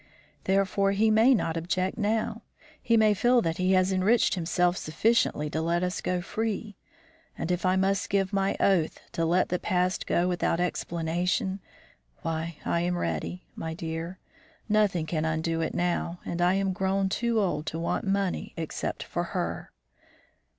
Therefore, he may not object now. He may feel that he has enriched himself sufficiently to let us go free, and if I must give my oath to let the past go without explanation, why I am ready, my dear; nothing can undo it now, and I am grown too old to want money except for her."